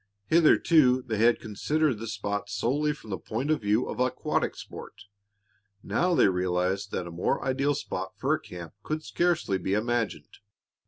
Hitherto, they had considered the spot solely from the point of view of aquatic sport; now they realized that a more ideal spot for a camp could scarcely be imagined.